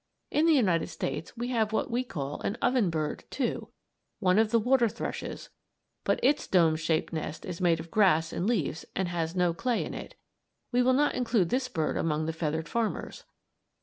In the United States we have what we call an "oven bird," too one of the water thrushes; but as its dome shaped nest is made of grass and leaves and has no clay in it, we will not include this bird among the feathered farmers.